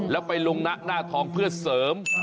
แล้วไปลงนะหน้าทองเพื่อเสริม